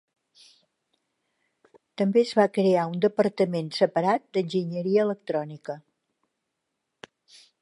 També es va crear un departament separat d'enginyeria electrònica.